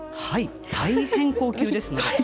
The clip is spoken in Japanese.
はい大変高級ですので。